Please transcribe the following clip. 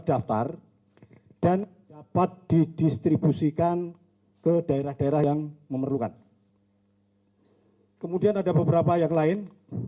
daftar dan dapat didistribusikan ke daerah daerah yang memerlukan kemudian ada beberapa yang lain